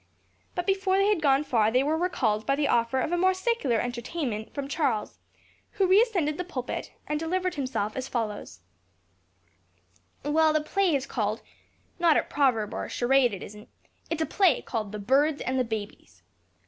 But, before they had gone far, they were recalled by the offer of a more secular entertainment from Charles, who re ascended the pulpit, and delivered himself as follows: "Well, the play is called not a proverb or a charade it isn't it's a play called 'The Birds and the Babies.'